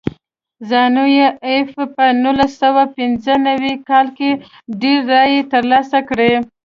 زانو پي ایف په نولس سوه پنځه نوي کال کې ډېرې رایې ترلاسه کړې.